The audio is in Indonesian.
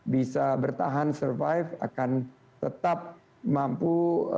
bisa bertahan survive akan tetap mampu